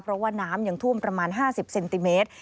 เพราะว่าน้ำยังท่วมประมาณ๕๐เซนติเมตร